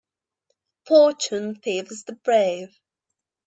Fortune favours the brave.